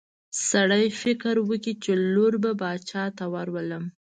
سړي فکر وکړ چې لور به باچا ته ورولم.